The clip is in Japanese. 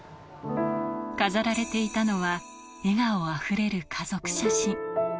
飾られていたのは、笑顔あふれる家族写真。